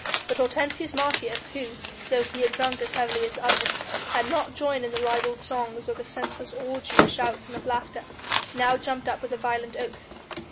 But Hortensius Martius who, though he had drunk as heavily as the others, had not joined in the ribald songs or the senseless orgy of shouts and of laughter, now jumped up with a violent oath.